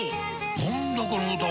何だこの歌は！